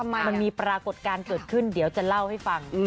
มันมีปรากฏการณ์เกิดขึ้นเดี๋ยวจะเล่าให้ฟัง